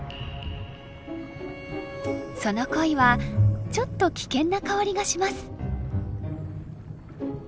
その恋はちょっと危険な薫りがします。